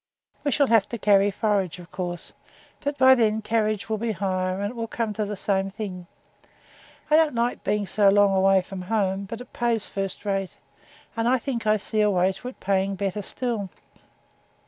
'We shall have to carry forage, of course; but then carriage will be higher, and it will come to the same thing. I don't like being so long away from home; but it pays first rate, and I think I see a way to its paying better still.'